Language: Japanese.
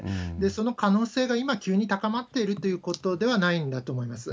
その可能性が今、急に高まっているということではないんだと思います。